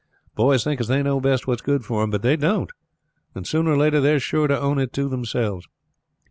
Boys think as they know best what's good for them; but they don't, and sooner or later they are sure to own it to themselves."